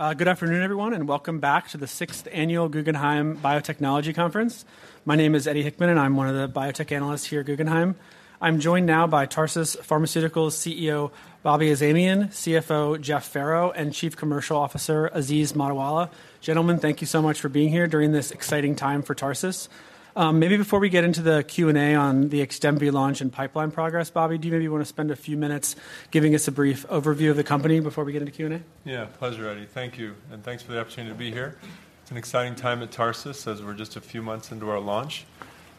Good afternoon, everyone, and welcome back to the Sixth Annual Guggenheim Biotechnology Conference. My name is Eddie Hickman, and I'm one of the biotech analysts here at Guggenheim. I'm joined now by Tarsus Pharmaceuticals CEO, Bobby Azamian, CFO, Jeff Farrow, and Chief Commercial Officer, Aziz Mottiwala. Gentlemen, thank you so much for being here during this exciting time for Tarsus. Maybe before we get into the Q&A on the XDEMVY launch and pipeline progress, Bobby, do you maybe want to spend a few minutes giving us a brief overview of the company before we get into Q&A? Yeah, pleasure, Eddie. Thank you, and thanks for the opportunity to be here. It's an exciting time at Tarsus, as we're just a few months into our launch,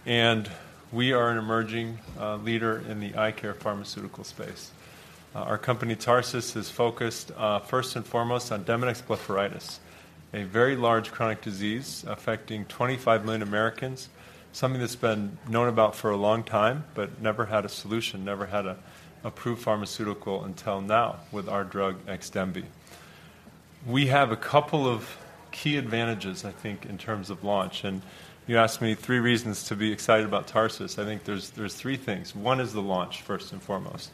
and we are an emerging leader in the eye care pharmaceutical space. Our company, Tarsus, is focused first and foremost on Demodex blepharitis, a very large chronic disease affecting 25 million Americans, something that's been known about for a long time, but never had a solution, never had an approved pharmaceutical until now with our drug, XDEMVY. We have a couple of key advantages, I think, in terms of launch, and you asked me three reasons to be excited about Tarsus. I think there's three things. One is the launch, first and foremost.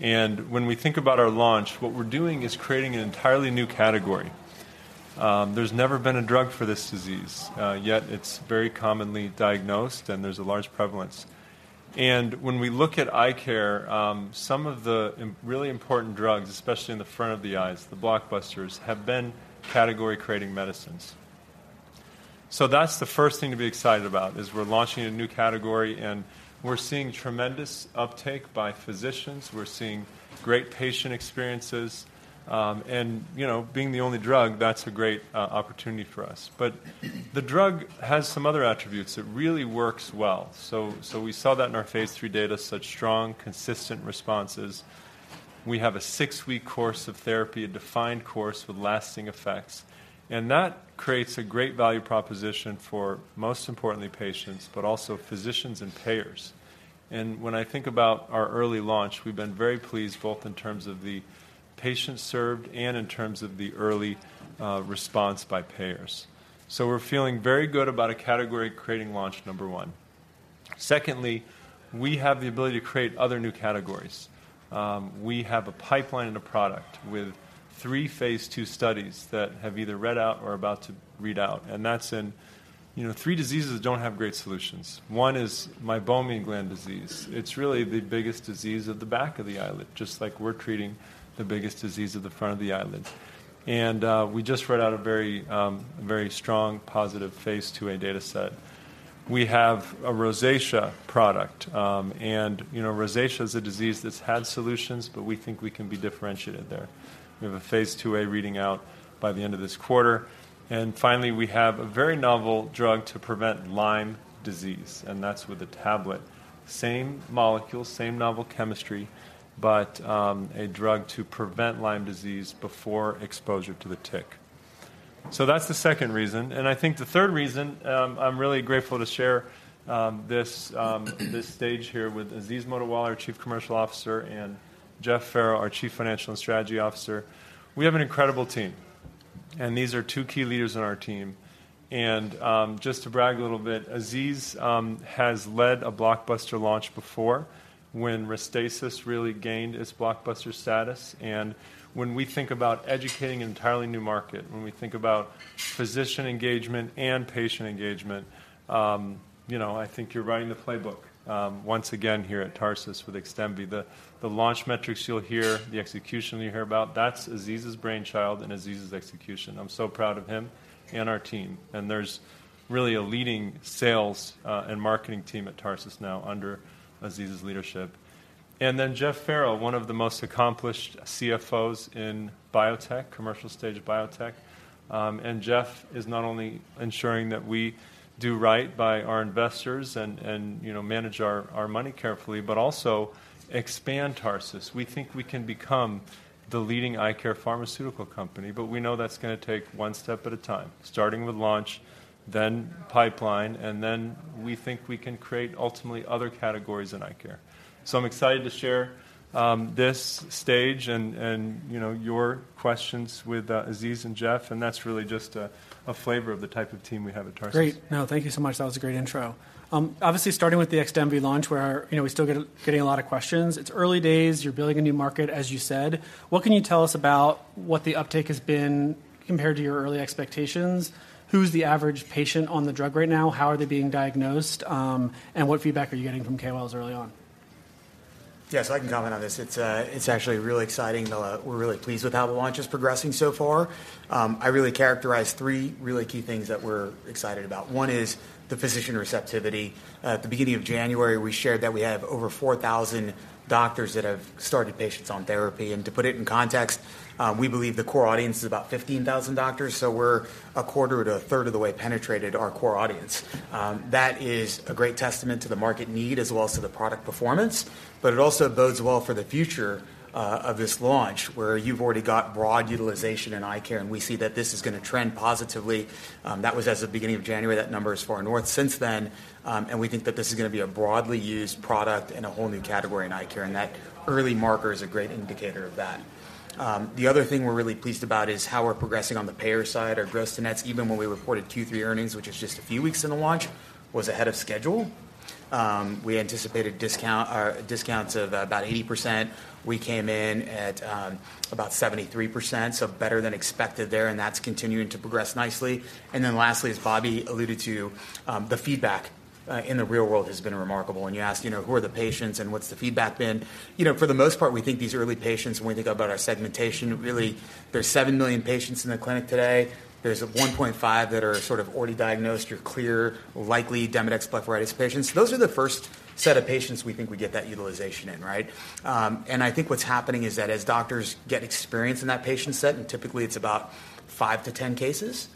When we think about our launch, what we're doing is creating an entirely new category. There's never been a drug for this disease, yet it's very commonly diagnosed, and there's a large prevalence. When we look at eye care, some of the really important drugs, especially in the front of the eyes, the blockbusters, have been category-creating medicines. So that's the first thing to be excited about, is we're launching a new category, and we're seeing tremendous uptake by physicians. We're seeing great patient experiences. And, you know, being the only drug, that's a great opportunity for us. But the drug has some other attributes. It really works well. So we saw that in our phase III data, such strong, consistent responses. We have a six-week course of therapy, a defined course with lasting effects, and that creates a great value proposition for, most importantly, patients, but also physicians and payers. And when I think about our early launch, we've been very pleased, both in terms of the patients served and in terms of the early response by payers. So we're feeling very good about a category-creating launch, number one. Secondly, we have the ability to create other new categories. We have a pipeline and a product with three phase II studies that have either read out or are about to read out, and that's in, you know, three diseases don't have great solutions. One is meibomian gland disease. It's really the biggest disease of the back of the eyelid, just like we're treating the biggest disease of the front of the eyelid. And we just read out a very, very strong, positive phase IIa data set. We have a rosacea product. And, you know, rosacea is a disease that's had solutions, but we think we can be differentiated there. We have a phase IIa reading out by the end of this quarter. And finally, we have a very novel drug to prevent Lyme disease, and that's with a tablet. Same molecule, same novel chemistry, but a drug to prevent Lyme disease before exposure to the tick. So that's the second reason. And I think the third reason, I'm really grateful to share this stage here with Aziz Mottiwala, our Chief Commercial Officer, and Jeff Farrow, our Chief Financial and Strategy Officer. We have an incredible team, and these are two key leaders on our team. And just to brag a little bit, Aziz has led a blockbuster launch before when Restasis really gained its blockbuster status. When we think about educating an entirely new market, when we think about physician engagement and patient engagement, you know, I think you're writing the playbook once again here at Tarsus with XDEMVY. The launch metrics you'll hear, the execution that you hear about, that's Aziz's brainchild and Aziz's execution. I'm so proud of him and our team, and there's really a leading sales and marketing team at Tarsus now under Aziz's leadership. And then Jeff Farrow, one of the most accomplished CFOs in biotech, commercial stage biotech. And Jeff is not only ensuring that we do right by our investors and, you know, manage our money carefully, but also expand Tarsus. We think we can become the leading eye care pharmaceutical company, but we know that's gonna take one step at a time, starting with launch, then pipeline, and then we think we can create, ultimately, other categories in eye care. So I'm excited to share this stage and, you know, your questions with Aziz and Jeff, and that's really just a flavor of the type of team we have at Tarsus. Great! No, thank you so much. That was a great intro. Obviously, starting with the XDEMVY launch, where, you know, we're still getting a lot of questions. It's early days. You're building a new market, as you said. What can you tell us about what the uptake has been compared to your early expectations? Who's the average patient on the drug right now? How are they being diagnosed? And what feedback are you getting from KOLs early on? Yes, I can comment on this. It's actually really exciting, though, we're really pleased with how the launch is progressing so far. I really characterize three really key things that we're excited about. One is the physician receptivity. At the beginning of January, we shared that we have over 4,000 doctors that have started patients on therapy. And to put it in context, we believe the core audience is about 15,000 doctors, so we're a quarter to a third of the way penetrated our core audience. That is a great testament to the market need, as well as to the product performance, but it also bodes well for the future, of this launch, where you've already got broad utilization in eye care, and we see that this is gonna trend positively. That was as of the beginning of January. That number is far north since then, and we think that this is gonna be a broadly used product in a whole new category in eye care, and that early marker is a great indicator of that. The other thing we're really pleased about is how we're progressing on the payer side, our gross-to-net, even when we reported Q3 earnings, which is just a few weeks into the launch, was ahead of schedule. We anticipated discounts of about 80%. We came in at about 73%, so better than expected there, and that's continuing to progress nicely. And then lastly, as Bobby alluded to, the feedback in the real world has been remarkable. When you ask, you know, who are the patients, and what's the feedback been? You know, for the most part, we think these early patients, when we think about our segmentation, really, there's 7 million patients in the clinic today. There's a 1.5 that are sort of already diagnosed, your clear, likely Demodex blepharitis patients. Those are the first set of patients we think we get that utilization in, right? And I think what's happening is that as doctors get experience in that patient set, and typically it's about 5-10 cases,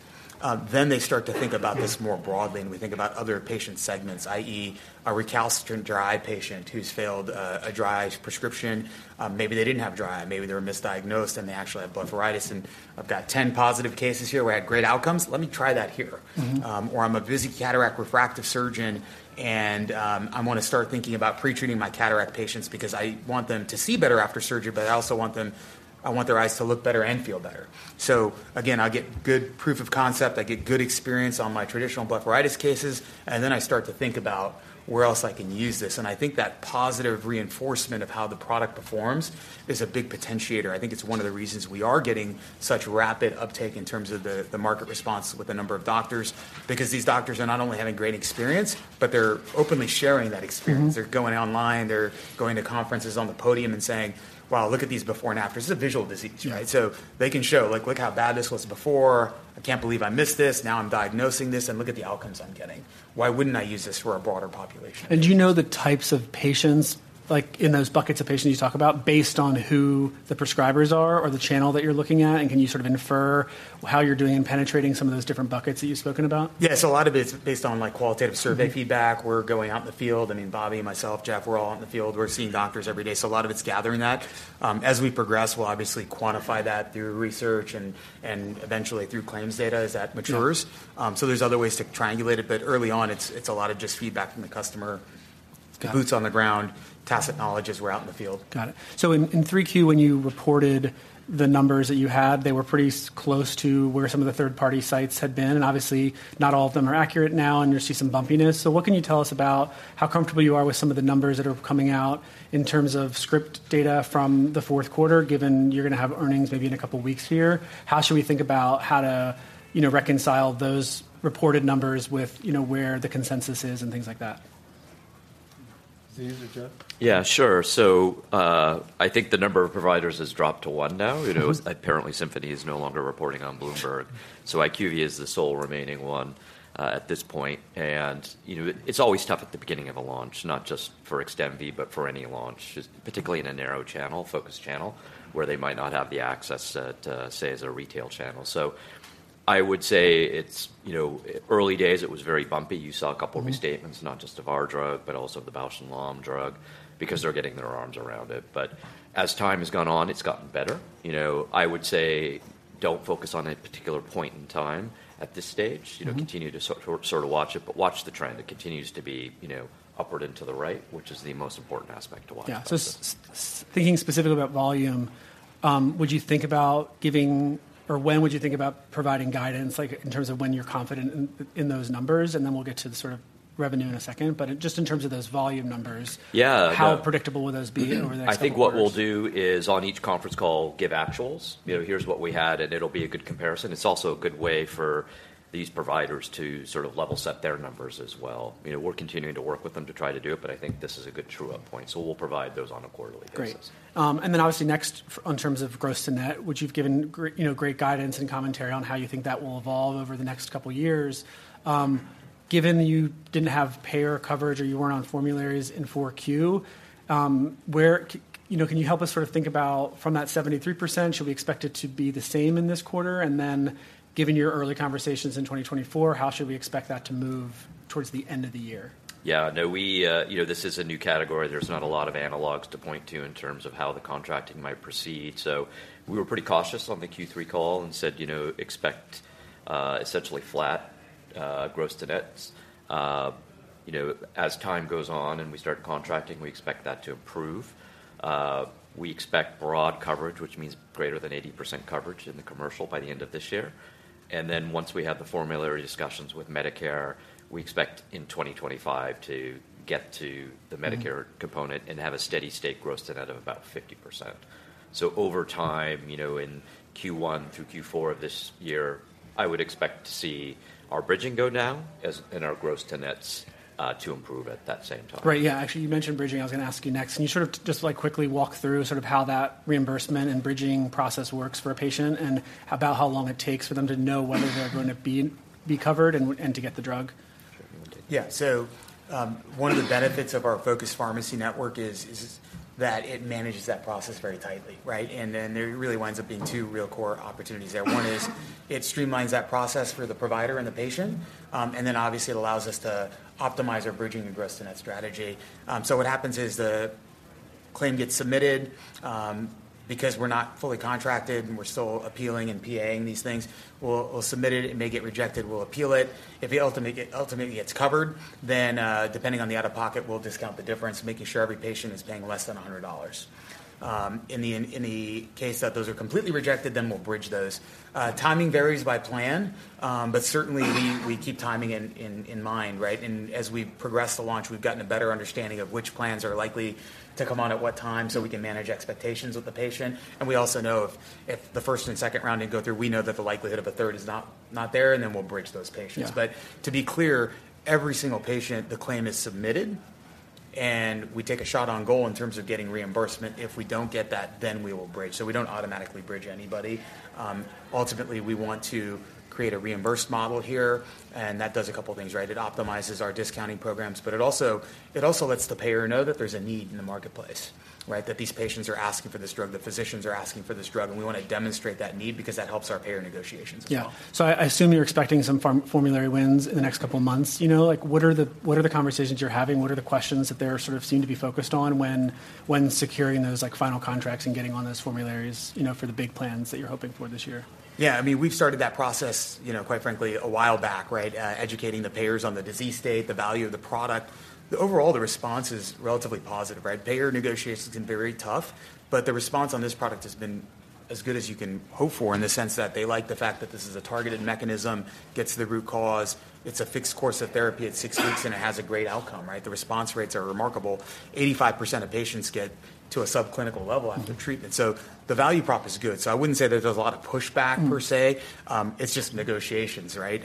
then they start to think about this more broadly, and we think about other patient segments, i.e., a recalcitrant dry eye patient who's failed, a dry eyes prescription. Maybe they didn't have dry eye, maybe they were misdiagnosed, and they actually have blepharitis, and I've got 10 positive cases here where I had great outcomes. Let me try that here. Mm-hmm. Or I'm a busy cataract refractive surgeon, and I want to start thinking about pre-treating my cataract patients because I want them to see better after surgery, but I also want them, I want their eyes to look better and feel better. So again, I get good proof of concept. I get good experience on my traditional blepharitis cases, and then I start to think about where else I can use this. And I think that positive reinforcement of how the product performs is a big potentiator. I think it's one of the reasons we are getting such rapid uptake in terms of the market response with a number of doctors, because these doctors are not only having great experience, but they're openly sharing that experience. Mm-hmm. They're going online, they're going to conferences on the podium and saying, "Wow, look at these before and afters." This is a visual disease, right? So they can show, like, "Look how bad this was before. I can't believe I missed this. Now I'm diagnosing this, and look at the outcomes I'm getting. Why wouldn't I use this for a broader population?" Do you know the types of patients, like, in those buckets of patients you talk about, based on who the prescribers are or the channel that you're looking at? Can you sort of infer how you're doing in penetrating some of those different buckets that you've spoken about? Yes, a lot of it's based on, like, qualitative survey feedback. We're going out in the field. I mean, Bobby, myself, Jeff, we're all out in the field. We're seeing doctors every day, so a lot of it's gathering that. As we progress, we'll obviously quantify that through research and, and eventually through claims data as that matures. So there's other ways to triangulate it, but early on, it's a lot of just feedback from the customer. The boots on the ground, tacit knowledge as we're out in the field. Got it. So in 3Q, when you reported the numbers that you had, they were pretty close to where some of the third-party sites had been, and obviously, not all of them are accurate now, and you're seeing some bumpiness. So what can you tell us about how comfortable you are with some of the numbers that are coming out in terms of script data from the fourth quarter, given you're going to have earnings maybe in a couple of weeks here? How should we think about how to, you know, reconcile those reported numbers with, you know, where the consensus is and things like that? Aziz or Jeff? Yeah, sure. So, I think the number of providers has dropped to one now. You know, apparently, Symphony is no longer reporting on Bloomberg, so IQVIA is the sole remaining one at this point. You know, it, it's always tough at the beginning of a launch, not just for XDEMVY, but for any launch, just particularly in a narrow channel, focused channel, where they might not have the access to, say, as a retail channel. So I would say it's, you know, early days, it was very bumpy. You saw a couple of restatements, not just of our drug, but also the Bausch + Lomb drug, because they're getting their arms around it. But as time has gone on, it's gotten better. You know, I would say don't focus on a particular point in time at this stage. Mm-hmm. You know, continue to sort of watch it, but watch the trend. It continues to be, you know, upward and to the right, which is the most important aspect to watch. Yeah. So thinking specifically about volume, would you think about giving, or when would you think about providing guidance, like, in terms of when you're confident in those numbers? And then we'll get to the sort of revenue in a second, but just in terms of those volume numbers- Yeah, the- How predictable will those be in over the next couple of years? Mm-hmm. I think what we'll do is, on each conference call, give actuals. You know, here's what we had, and it'll be a good comparison. It's also a good way for these providers to sort of level set their numbers as well. You know, we're continuing to work with them to try to do it, but I think this is a good true-up point, so we'll provide those on a quarterly basis. Great. And then, obviously, next, in terms of gross-to-net, which you've given, you know, great guidance and commentary on how you think that will evolve over the next couple of years. Given you didn't have payer coverage or you weren't on formularies in 4Q, you know, can you help us sort of think about from that 73%, should we expect it to be the same in this quarter? And then, given your early conversations in 2024, how should we expect that to move towards the end of the year? Yeah, no, we, you know, this is a new category. There's not a lot of analogs to point to in terms of how the contracting might proceed. So we were pretty cautious on the Q3 call and said, you know, expect essentially flat gross-to-nets. You know, as time goes on and we start contracting, we expect that to improve. We expect broad coverage, which means greater than 80% coverage in the commercial by the end of this year. And then once we have the formulary discussions with Medicare, we expect in 2025 to get to the Medicare component and have a steady state gross-to-net of about 50%. So over time, you know, in Q1 through Q4 of this year, I would expect to see our bridging go down, as our gross-to-nets to improve at that same time. Right. Yeah, actually, you mentioned bridging. I was going to ask you next. Can you sort of just, like, quickly walk through sort of how that reimbursement and bridging process works for a patient, and about how long it takes for them to know whether they're going to be covered and to get the drug? Yeah. So, one of the benefits of our focused pharmacy network is that it manages that process very tightly, right? And then there really winds up being two real core opportunities there. One is, it streamlines that process for the provider and the patient, and then obviously, it allows us to optimize our bridging and gross-to-net strategy. So what happens is the claim gets submitted, because we're not fully contracted, and we're still appealing and PA-ing these things. We'll submit it, it may get rejected, we'll appeal it. If it ultimately gets covered, then, depending on the out-of-pocket, we'll discount the difference, making sure every patient is paying less than $100. In the case that those are completely rejected, then we'll bridge those. Timing varies by plan, but certainly, we keep timing in mind, right? As we've progressed the launch, we've gotten a better understanding of which plans are likely to come on at what time, so we can manage expectations with the patient. We also know if the first and second round didn't go through, we know that the likelihood of a third is not there, and then we'll bridge those patients. Yeah. But to be clear, every single patient, the claim is submitted and we take a shot on goal in terms of getting reimbursement. If we don't get that, then we will bridge. So we don't automatically bridge anybody. Ultimately, we want to create a reimbursed model here, and that does a couple of things, right? It optimizes our discounting programs, but it also, it also lets the payer know that there's a need in the marketplace, right? That these patients are asking for this drug, the physicians are asking for this drug, and we want to demonstrate that need because that helps our payer negotiations as well. Yeah. So I assume you're expecting some formulary wins in the next couple of months. You know, like, what are the conversations you're having? What are the questions that they're sort of seem to be focused on when securing those, like, final contracts and getting on those formularies, you know, for the big plans that you're hoping for this year? Yeah, I mean, we've started that process, you know, quite frankly, a while back, right? Educating the payers on the disease state, the value of the product. The overall, the response is relatively positive, right? Payer negotiations can be very tough, but the response on this product has been as good as you can hope for in the sense that they like the fact that this is a targeted mechanism, gets to the root cause, it's a fixed course of therapy at six weeks, and it has a great outcome, right? The response rates are remarkable. 85% of patients get to a subclinical level after treatment. So the value prop is good. So I wouldn't say there's a lot of pushback per se. Mm It's just negotiations, right?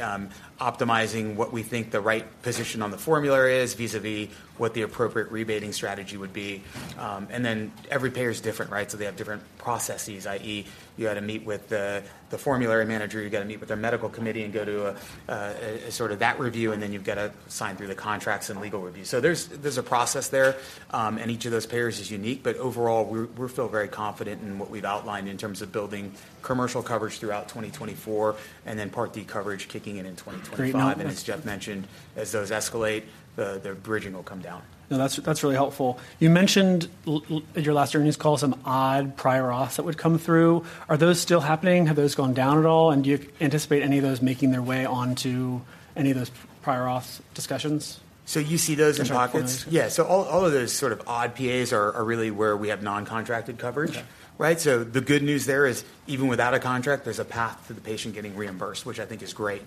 Optimizing what we think the right position on the formulary is, vis-à-vis what the appropriate rebating strategy would be. And then every payer is different, right? So they have different processes, i.e., you got to meet with the formulary manager, you got to meet with their medical committee and go to a sort of that review, and then you've got to sign through the contracts and legal review. So there's a process there, and each of those payers is unique, but overall, we feel very confident in what we've outlined in terms of building commercial coverage throughout 2024, and then Part D coverage kicking in in 2025. And as Jeff mentioned, as those escalate, the bridging will come down. No, that's, that's really helpful. You mentioned your last earnings call, some odd prior auths that would come through. Are those still happening? Have those gone down at all, and do you anticipate any of those making their way onto any of those prior auth discussions? You see those in pockets? Yeah, so all of those sort of odd PAs are really where we have non-contracted coverage. Okay. Right? So the good news there is, even without a contract, there's a path for the patient getting reimbursed, which I think is great.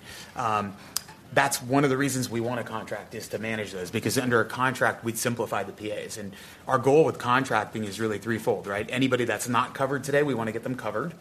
That's one of the reasons we want a contract, is to manage those, because under a contract, we'd simplify the PAs. And our goal with contracting is really threefold, right? Anybody that's not covered today, we want to get them covered.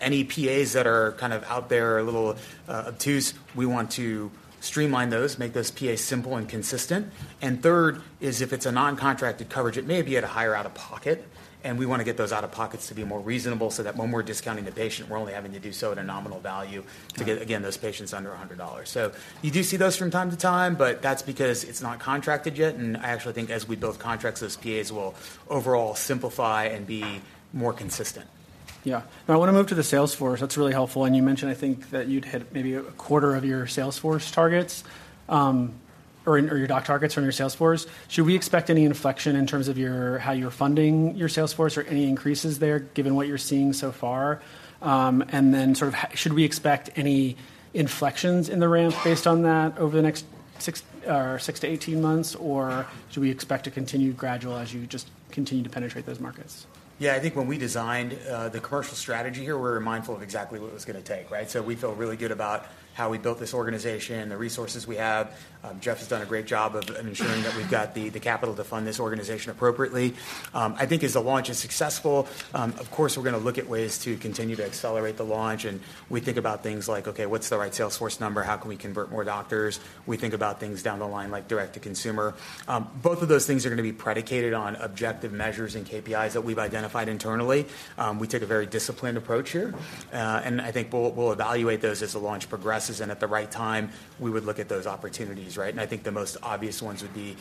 Any PAs that are kind of out there are a little obtuse, we want to streamline those, make those PAs simple and consistent. And third is if it's a non-contracted coverage, it may be at a higher out-of-pocket, and we want to get those out-of-pockets to be more reasonable so that when we're discounting the patient, we're only having to do so at a nominal value to get, again, those patients under $100. So you do see those from time to time, but that's because it's not contracted yet, and I actually think as we build contracts, those PAs will overall simplify and be more consistent. Yeah. Now, I want to move to the sales force. That's really helpful, and you mentioned, I think, that you'd hit maybe a quarter of your sales force targets, or, or your doc targets from your sales force. Should we expect any inflection in terms of your, how you're funding your sales force or any increases there, given what you're seeing so far? And then sort of should we expect any inflections in the ramp based on that over the next six or 6 months-18 months, or should we expect to continue gradual as you just continue to penetrate those markets? Yeah, I think when we designed the commercial strategy here, we were mindful of exactly what it was going to take, right? So we feel really good about how we built this organization, the resources we have. Jeff has done a great job of ensuring that we've got the capital to fund this organization appropriately. I think as the launch is successful, of course, we're going to look at ways to continue to accelerate the launch, and we think about things like, okay, what's the right sales force number? How can we convert more doctors? We think about things down the line, like direct to consumer. Both of those things are going to be predicated on objective measures and KPIs that we've identified internally. We took a very disciplined approach here, and I think we'll evaluate those as the launch progresses, and at the right time, we would look at those opportunities, right? And I think the most obvious ones would be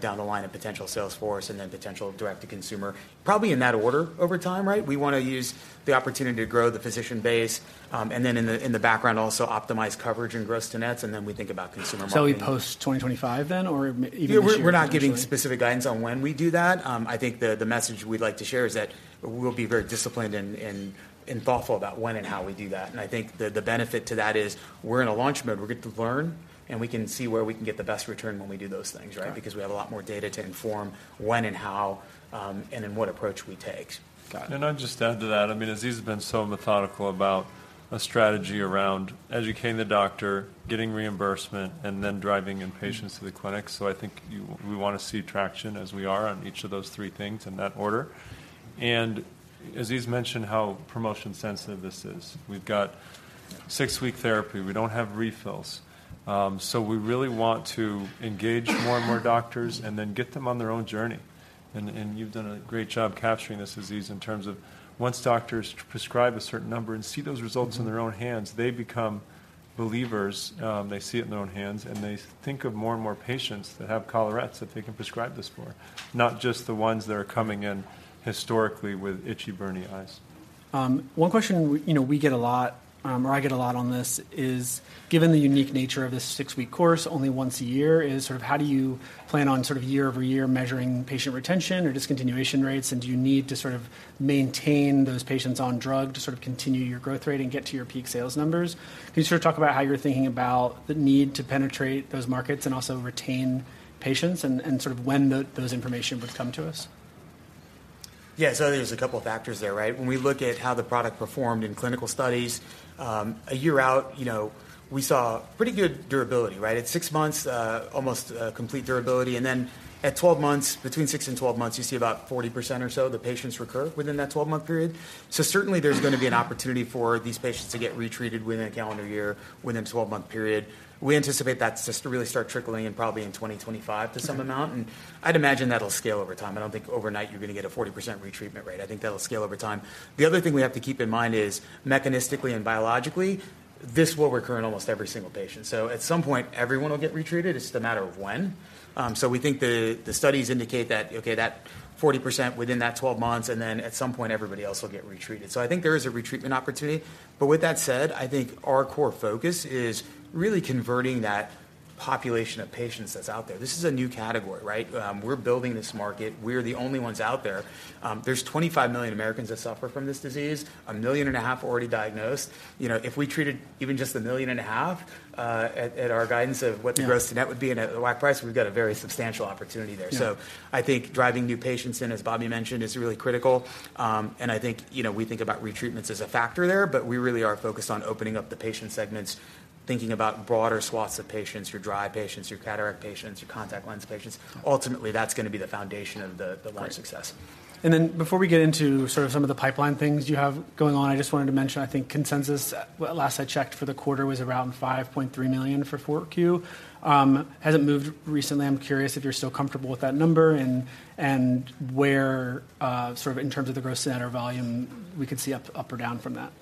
down the line of potential sales force and then potential direct to consumer, probably in that order over time, right? We want to use the opportunity to grow the physician base, and then in the background, also optimize coverage and gross-to-nets, and then we think about consumer marketing. Post-2025 then, or even this year potentially? Yeah, we're not giving specific guidance on when we do that. I think the message we'd like to share is that we'll be very disciplined and thoughtful about when and how we do that. And I think the benefit to that is we're in a launch mode. We're going to learn, and we can see where we can get the best return when we do those things, right? Got it. Because we have a lot more data to inform when and how, and then what approach we take. Got it. And I'd just add to that, I mean, Aziz has been so methodical about a strategy around educating the doctor, getting reimbursement, and then driving in patients to the clinic. So I think we want to see traction as we are on each of those three things in that order. And Aziz mentioned how promotion sensitive this is. We've got six-week therapy. We don't have refills. So we really want to engage more and more doctors and then get them on their own journey, and you've done a great job capturing this, Aziz, in terms of once doctors prescribe a certain number and see those results in their own hands, they become believers. They see it in their own hands, and they think of more and more patients that have collarettes that they can prescribe this for, not just the ones that are coming in historically with itchy, burning eyes. One question we, you know, we get a lot, or I get a lot on this, is given the unique nature of this six-week course, only once a year, is sort of how do you plan on sort of year-over-year measuring patient retention or discontinuation rates, and do you need to sort of maintain those patients on drug to sort of continue your growth rate and get to your peak sales numbers? Can you sort of talk about how you're thinking about the need to penetrate those markets and also retain patients, and, and sort of when the, those information would come to us? Yeah, so there's a couple of factors there, right? When we look at how the product performed in clinical studies, a year out, you know, we saw pretty good durability, right? At six months, almost complete durability, and then at 12 months, between six and 12 months, you see about 40% or so of the patients recur within that 12-month period. So certainly, there's going to be an opportunity for these patients to get retreated within a calendar year, within a 12-month period. We anticipate that's just to really start trickling in probably in 2025 to some amount, and I'd imagine that'll scale over time. I don't think overnight you're going to get a 40% retreatment rate. I think that'll scale over time. The other thing we have to keep in mind is mechanistically and biologically, this will recur in almost every single patient. So at some point, everyone will get retreated. It's just a matter of when. So we think the studies indicate that, okay, that 40% within that 12 months, and then at some point, everybody else will get retreated. So I think there is a retreatment opportunity, but with that said, I think our core focus is really converting that population of patients that's out there. This is a new category, right? We're building this market. We're the only ones out there. There's 25 million Americans that suffer from this disease, 1.5 million already diagnosed. You know, if we treated even just 1.5 million, at our guidance of what- Yeah The gross-to-net would be in a right price. We've got a very substantial opportunity there. Yeah. So I think driving new patients in, as Bobby mentioned, is really critical. And I think, you know, we think about retreatments as a factor there, but we really are focused on opening up the patient segments, thinking about broader swaths of patients, your dry patients, your cataract patients, your contact lens patients. Ultimately, that's going to be the foundation of the wide success. Then before we get into sort of some of the pipeline things you have going on, I just wanted to mention, I think consensus, last I checked for the quarter, was around $5.3 million for 4Q. Hasn't moved recently. I'm curious if you're still comfortable with that number and, and where, sort of in terms of the gross-to-net volume, we could see up, up or down from that.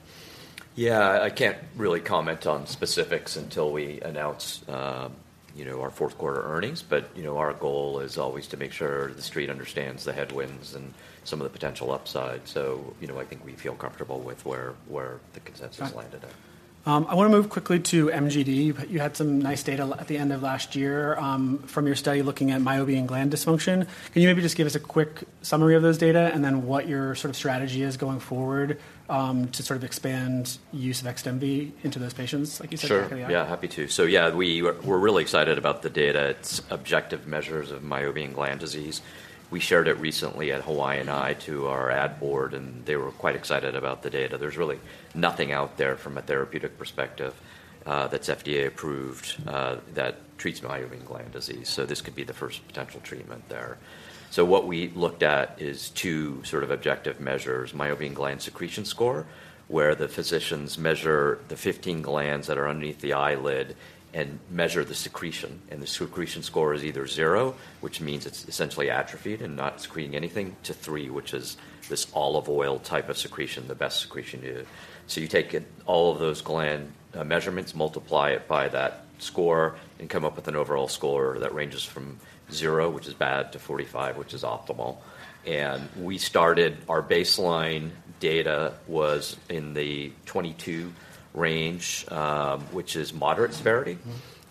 Yeah, I can't really comment on specifics until we announce, you know, our fourth quarter earnings, but, you know, our goal is always to make sure the street understands the headwinds and some of the potential upsides. So, you know, I think we feel comfortable with where the consensus landed at. I want to move quickly to MGD. You had some nice data at the end of last year, from your study looking at meibomian gland dysfunction. Can you maybe just give us a quick summary of those data and then what your sort of strategy is going forward, to sort of expand use of XDEMVY into those patients, like you said? Sure. Yeah, happy to. So yeah, we're really excited about the data. It's objective measures of meibomian gland disease. We shared it recently at Hawaiian Eye to our ad board, and they were quite excited about the data. There's really nothing out there from a therapeutic perspective that's FDA-approved that treats meibomian gland disease. So this could be the first potential treatment there. So what we looked at is two sort of objective measures, meibomian gland secretion score, where the physicians measure the 15 glands that are underneath the eyelid and measure the secretion. And the secretion score is either 0, which means it's essentially atrophied and not secreting anything, to 3, which is this olive oil type of secretion, the best secretion you. So you take in all of those gland measurements, multiply it by that score, and come up with an overall score that ranges from zero, which is bad, to 45, which is optimal. We started, our baseline data was in the 22 range, which is moderate severity.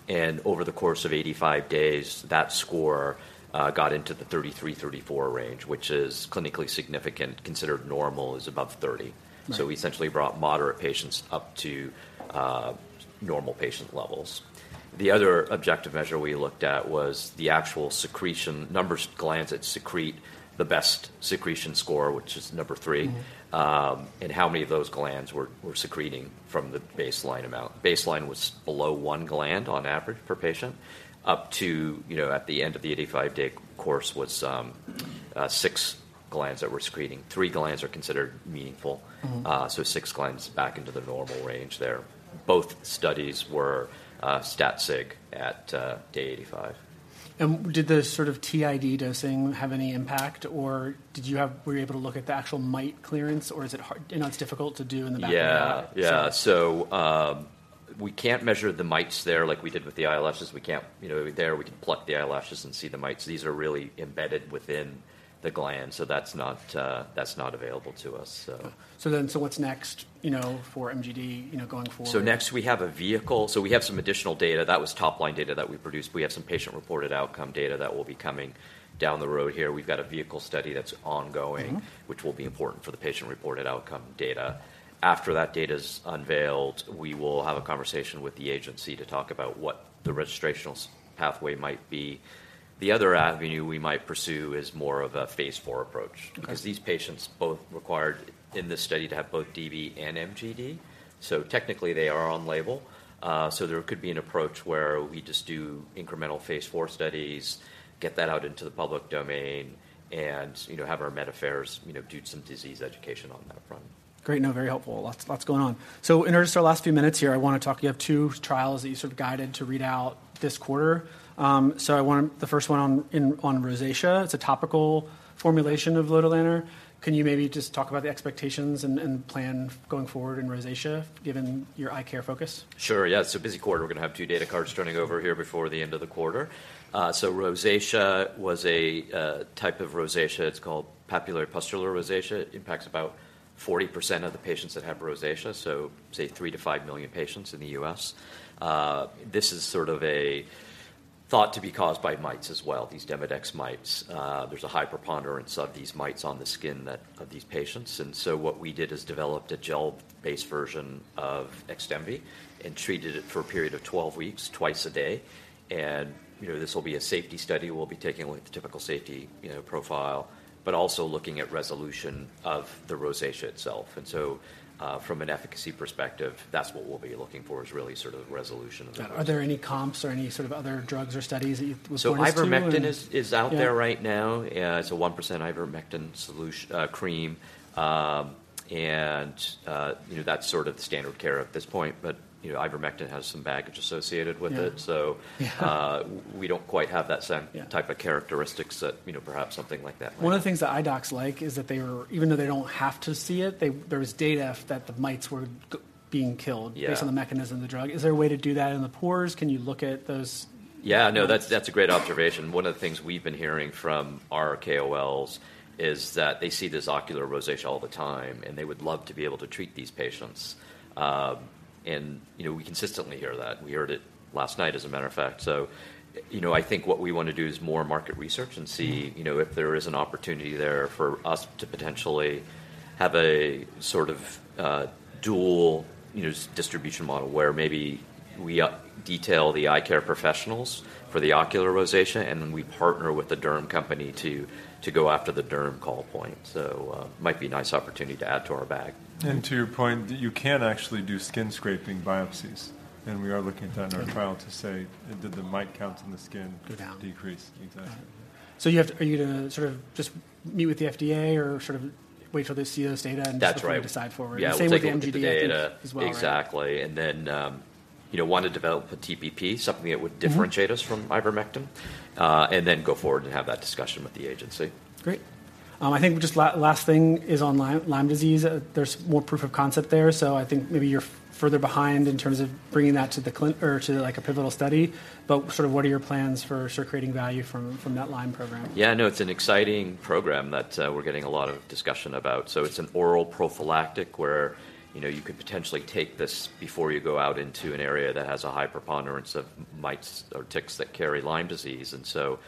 Over the course of 85 days, that score got into the 33, 34 range, which is clinically significant. Considered normal is above 30. Right. So we essentially brought moderate patients up to, normal patient levels. The other objective measure we looked at was the actual secretion numbers, glands that secrete the best secretion score, which is number three. Mm-hmm And how many of those glands were secreting from the baseline amount. Baseline was below one gland on average per patient, up to, you know, at the end of the 85-day course was six glands that were secreting. Three glands are considered meaningful. Mm-hmm. So, six glands back into the normal range there. Both studies were stat sig at day 85. Did the sort of TID dosing have any impact, or did you have-- were you able to look at the actual mite clearance, or is it hard, I know it's difficult to do in the back of the eye? Yeah. Yeah. So, we can't measure the mites there like we did with the eyelashes. We can't, you know, we can pluck the eyelashes and see the mites. These are really embedded within the gland, so that's not, that's not available to us, so. So then, what's next, you know, for MGD, you know, going forward? Next, we have a vehicle. We have some additional data. That was top-line data that we produced. We have some patient-reported outcome data that will be coming down the road here. We've got a vehicle study that's ongoing. Mm-hmm Which will be important for the patient-reported outcome data. After that data's unveiled, we will have a conversation with the agency to talk about what the registrational pathway might be. The other avenue we might pursue is more of a phase IV approach. Okay. Because these patients both required in this study to have both DB and MGD, so technically, they are on label. So there could be an approach where we just do incremental phase IV studies, get that out into the public domain, and, you know, have our med affairs, you know, do some disease education on that front. Great. No, very helpful. Lots, lots going on. So in our just our last few minutes here, I want to talk. You have two trials that you sort of guided to read out this quarter. So I want the first one on, in, on rosacea. It's a topical formulation of lotilaner. Can you maybe just talk about the expectations and, and plan going forward in rosacea, given your eye care focus? Sure. Yeah, it's a busy quarter. We're going to have two data cards turning over here before the end of the quarter. So rosacea was a type of rosacea. It's called papulopustular rosacea. It impacts about 40% of the patients that have rosacea, so say, 3-5 million patients in the U.S. This is sort of a thought to be caused by mites as well, these Demodex mites. There's a high preponderance of these mites on the skin that of these patients, and so what we did is developed a gel-based version of lotilaner and treated it for a period of 12 weeks, twice a day. You know, this will be a safety study. We'll be taking a look at the typical safety, you know, profile, but also looking at resolution of the rosacea itself. And so, from an efficacy perspective, that's what we'll be looking for, is really sort of resolution of the- Are there any comps or any sort of other drugs or studies that you point us to, or? So ivermectin is out there right now. It's a 1% ivermectin solution, cream. You know, that's sort of the standard care at this point, but, you know, ivermectin has some baggage associated with it. Yeah. So we don't quite have that same type of characteristics that, you know, perhaps something like that. One of the things that eye docs like is that they are even though they don't have to see it, they, there is data that the mites were being killed. Yeah Based on the mechanism of the drug. Is there a way to do that in the pores? Can you look at those? Yeah. No, that's, that's a great observation. One of the things we've been hearing from our KOLs is that they see this ocular rosacea all the time, and they would love to be able to treat these patients. You know, we consistently hear that. We heard it last night, as a matter of fact. So, you know, I think what we want to do is more market research and see, you know, if there is an opportunity there for us to potentially have a sort of dual, you know, distribution model, where maybe we detail the eye care professionals for the ocular rosacea, and then we partner with the derm company to go after the derm call point. So, might be a nice opportunity to add to our bag. To your point, you can actually do skin scraping biopsies, and we are looking at that in our trial to say, "Did the mite count in the skin decrease?" Down Exactly. You have to, are you gonna sort of just meet with the FDA or sort of wait till they see this data and decide fprward? That's right. Yeah. Same with the MGD as well. Exactly. Then, you know, want to develop a TPP, something that would differentiate us from ivermectin, and then go forward and have that discussion with the agency. Great. I think just last thing is on Lyme, Lyme disease. There's more proof of concept there, so I think maybe you're further behind in terms of bringing that to the clinical or to, like, a pivotal study, but sort of what are your plans for sort of creating value from, from that Lyme program? Yeah, no, it's an exciting program that we're getting a lot of discussion about. So it's an oral prophylactic where, you know, you could potentially take this before you go out into an area that has a high preponderance of mites or ticks that carry Lyme disease, and so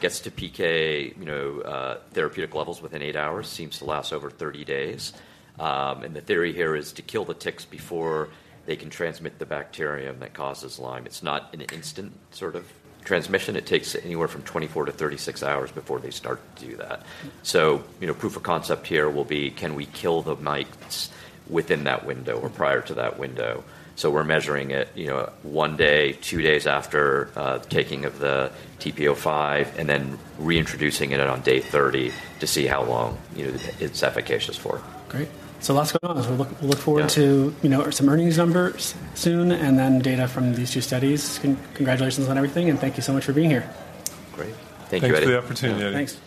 gets to PK, you know, therapeutic levels within eight hours, seems to last over 30 days. And the theory here is to kill the ticks before they can transmit the bacterium that causes Lyme. It's not an instant sort of transmission. It takes anywhere from 24 hours-36 hours before they start to do that. So, you know, proof of concept here will be: Can we kill the mites within that window or prior to that window? So we're measuring it, you know, one day, two days after taking of the TP-05, and then reintroducing it on day 30 to see how long, you know, it's efficacious for. Great. So lots going on. Yeah. We look forward to, you know, some earnings numbers soon, and then data from these two studies. Congratulations on everything, and thank you so much for being here. Great. Thank you, Eddie. Thanks for the opportunity, Eddie. Thanks.